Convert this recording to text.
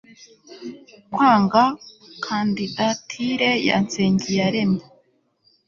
kwanga kandidatire ya nsengiyaremye